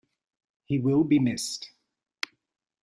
He will be missed.